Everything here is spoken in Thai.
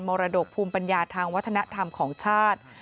รดกภูมิปัญญาทางวัฒนธรรมของชาติ